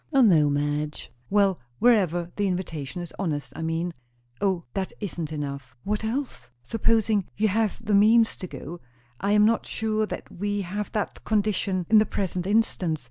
"O no, Madge!" "Well, wherever the invitation is honest, I mean." "O, that isn't enough." "What else? supposing you have the means to go. I am not sure that we have that condition in the present instance.